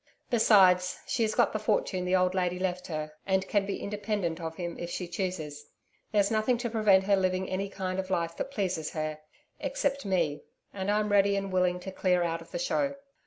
Besides, she has got the fortune the old lady left her and can be independent of him if she chooses. There's nothing to prevent her living any kind of life that pleases her except me, and I'm ready and willing to clear out of the show.